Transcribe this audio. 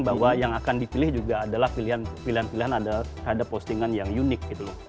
bahwa yang akan dipilih juga adalah pilihan pilihan terhadap postingan yang unik gitu loh